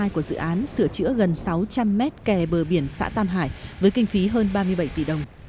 của dự án sửa chữa gần sáu trăm linh mét kè bờ biển xã tam hải với kinh phí hơn ba mươi bảy tỷ đồng